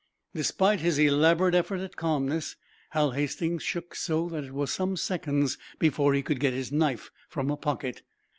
Despite his elaborate effort at calmness Hal Hastings shook so that it was some seconds before he could get his knife from a pocket.